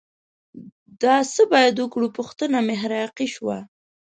د څه باید وکړو پوښتنه محراقي شوه